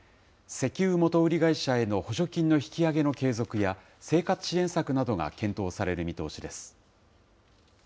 石油元売り会社への補助金の引き上げの継続や、生活支援策などが検討される見通しです。